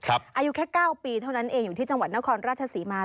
อายุแค่๙ปีเท่านั้นเองอยู่ที่จังหวัดนครราชศรีมา